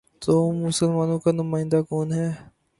تو مسلمانوں کا نمائندہ کون ہے؟